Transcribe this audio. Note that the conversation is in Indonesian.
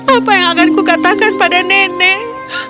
apa yang akan kukatakan pada nenek